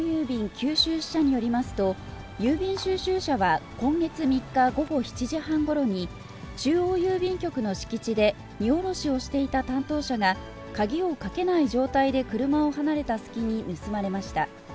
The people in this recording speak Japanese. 九州支社によりますと、郵便収集車は今月３日午後７時半ごろに、中央郵便局の敷地で荷降ろしをしていた担当者が鍵をかけない状態で車を離れた隙に盗まれました。